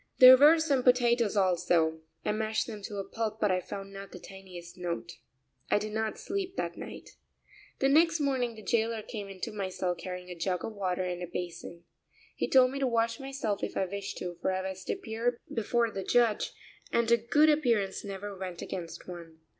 There were some potatoes also; I mashed them to a pulp, but I found not the tiniest note. I did not sleep that night. The next morning the jailer came into my cell carrying a jug of water and a basin. He told me to wash myself if I wished to, for I was to appear before the judge, and a good appearance never went against one.